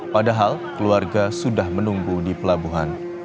padahal keluarga sudah menunggu di pelabuhan